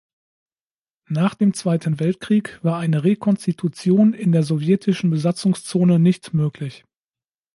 Nach dem Zweiten Weltkrieg war eine Rekonstitution in der sowjetischen Besatzungszone nicht möglich.